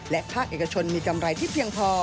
และภาคเอกชนมีกำไรที่เพียงพอ